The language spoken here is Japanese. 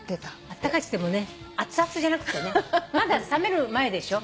あったかいっつってもね熱々じゃなくてねまだ冷める前でしょ。